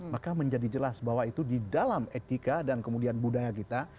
maka menjadi jelas bahwa itu di dalam etika dan kemudian budaya kita